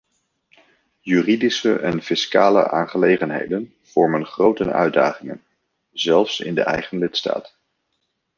Juridische en fiscale aangelegenheden vormen grote uitdagingen, zelfs in de eigen lidstaat.